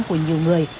của nhiều người